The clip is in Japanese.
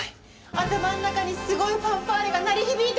頭の中にすごいファンファーレが鳴り響いてきた。